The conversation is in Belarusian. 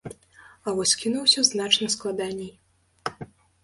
А вось з кіно ўсё значна складаней.